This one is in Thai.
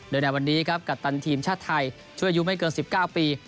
โดยในวันนี้ครับกัปตันทีมชาติไทยช่วยอายุไม่เกิน๑๙ปี